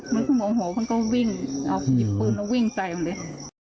มันก็โมโหมันก็วิ่งเอาหยิบปืนเอาวิ่งใส่หมดเลย